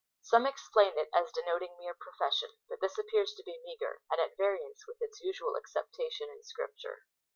Some explain it as denoting mere profession, but this appears to be meagre, and at variance with its usual acceptation in Scripture.